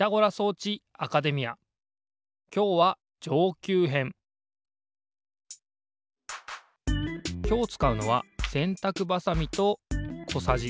きょうはきょうつかうのはせんたくばさみとこさじ。